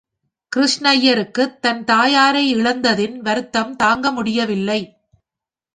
கிருஷ்ணய்யருக்குத் தன் தாயாரை இழந்ததின் வருத்தம் தாங்கமுடியவில்லை.